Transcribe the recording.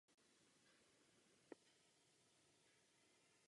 Po návratu uspořádal několik výstav a rozhodl se pro dráhu středoškolského pedagoga.